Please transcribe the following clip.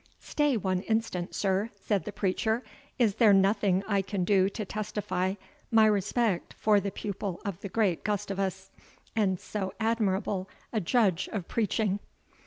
"Stay one instant, sir," said the preacher; "is there nothing I can do to testify my respect for the pupil of the great Gustavus, and so admirable a judge of preaching?"